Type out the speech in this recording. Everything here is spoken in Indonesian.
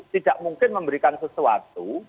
tidak mungkin memberikan sesuatu